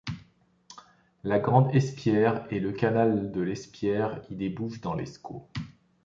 La Grande Espierres et le canal de l'Espierres y débouchent dans l'Escaut.